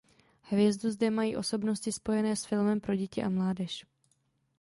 Hvězdu zde mají osobnosti spojené s filmem pro děti a mládež.